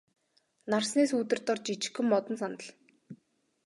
Нарсны сүүдэр дор жижигхэн модон сандал.